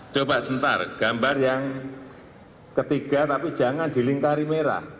coba sebentar gambar yang ketiga tapi jangan dilingkari merah